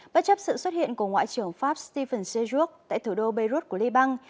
bất chấp sự xuất hiện của ngoại trưởng pháp stephen sejuk tại thủ đô beirut của liban